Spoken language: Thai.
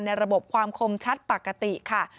ระบบความคมชัดปกติค่ะ